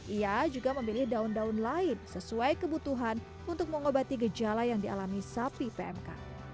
ia juga memilih daun daun lain sesuai kebutuhan untuk mengobati gejala yang dialami sapi pmk